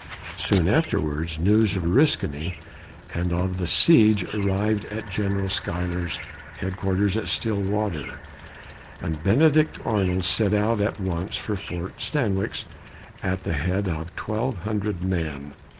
Soon afterwards, news of Oriskany and of the siege arrived at General Schuyler's headquarters at Stillwater, and Benedict Arnold set out at once for Fort Stanwix at the head of twelve hundred men.